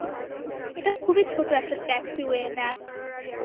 এটা খুবই ছোট একটা ট্যাক্সিওয়ে, ম্যাভ।